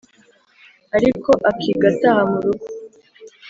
ariko akiga ataha mu rugo.